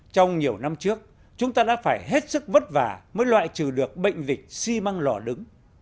trong nhiều năm trước chúng ta đã phải hết sức vất vả mới loại trừ được bệnh dịch xi măng lò đứng